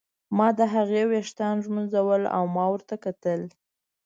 ما د هغې ویښتان ږمونځول او ما ورته کتل.